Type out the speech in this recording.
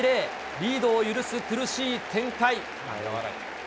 リードを許す苦しい展開。